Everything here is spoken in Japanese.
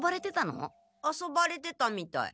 遊ばれてたみたい。